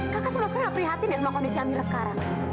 kakak sama sekali gak prihatin ya sama kondisi amira sekarang